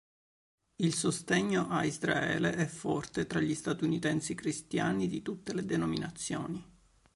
Il sostegno a Israele è forte tra gli statunitensi cristiani di tutte le denominazioni.